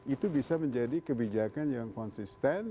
itu bisa menjadi kebijakan yang konsisten